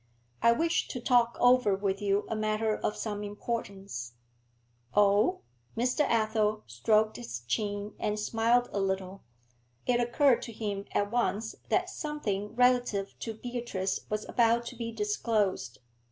'I wished to talk over with you a matter of some importance.' 'Oh?' Mr. Athel stroked his chin, and smiled a little. It occurred to him at once that something relative to Beatrice was about to be disclosed.